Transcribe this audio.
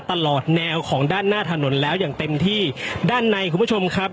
ตลอดแนวของด้านหน้าถนนแล้วอย่างเต็มที่ด้านในคุณผู้ชมครับ